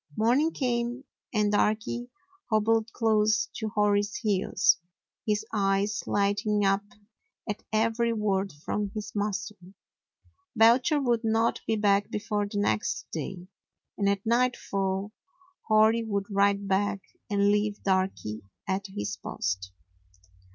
Morning came, and Darky hobbled close to Hori's heels, his eyes lighting up at every word from his master. Belcher would not be back before the next day, and at nightfall Hori would ride back and leave Darky at his post.